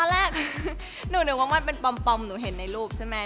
แรกหนูนึกว่ามันเป็นปอมหนูเห็นในรูปใช่ไหม